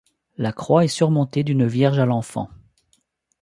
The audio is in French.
La croix est surmonté d'une Vierge à l'Enfant.